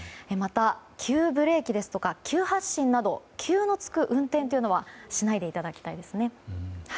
また、急ブレーキや急発進など急がつく運転はしないでいただきたいですね。